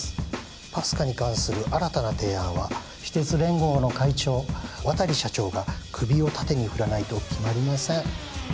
ＰＡＳＣＡに関する新たな提案は私鉄連合の会長渡利社長が首を縦に振らないと決まりません